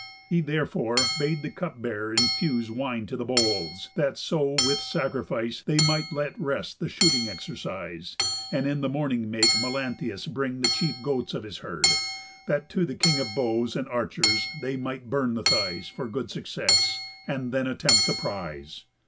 He, therefore, bade the cup bearer infuse Wine to the bowls, that so with sacrifice They might let rest the shooting exercise, And in the morning make Melanthius bring The chief goats of his herd, that to the King Of bows and archers they might burn the thighs For good success, and then attempt the prize."